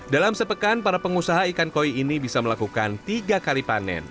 dalam sepekan para pengusaha ikan koi ini bisa melakukan tiga kali panen